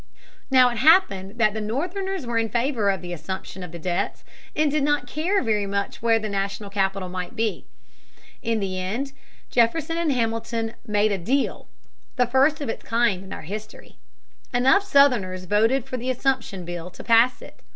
Now it happened that the Northerners were in favor of the assumption of the debts and did not care very much where the national capital might be. In the end Jefferson and Hamilton made "a deal," the first of its kind in our history. Enough Southerners voted for the assumption bill to pass it.